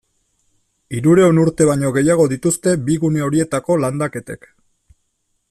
Hirurehun urte baino gehiago dituzte bi gune horietako landaketek.